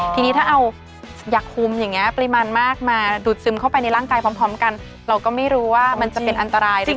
ทีนี้ถ้าเอาอยากคุมอย่างนี้ปริมาณมากมาดูดซึมเข้าไปในร่างกายพร้อมกันเราก็ไม่รู้ว่ามันจะเป็นอันตรายหรือเปล่า